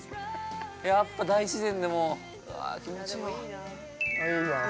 やっぱ大自然で、もう気持ちいいわ。